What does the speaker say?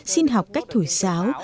xin học cách thổi xáo